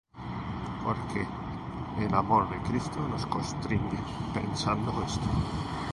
Porque el amor de Cristo nos constriñe, pensando esto: